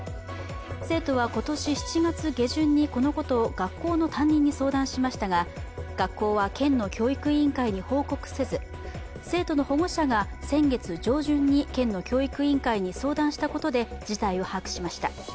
生徒は今年７月下旬にこのことを学校の担任に相談しましたが、学校は県の教育委員会に報告せず生徒の保護者が先月上旬に県の教育委員会に相談したことで事態を把握しました。